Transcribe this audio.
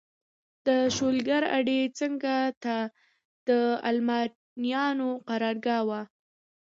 د شولګر اډې څنګ ته د المانیانو قرارګاه وه.